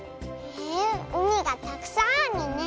へえうみがたくさんあるね。